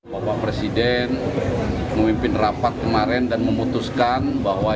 bapak presiden memimpin rapat kemarin dan memutuskan bahwa